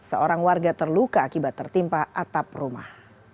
seorang warga terluka akibat tertimpa atap rumah